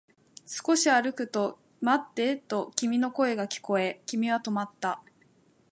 少し歩くと、待ってと君の声が聞こえ、君は止まった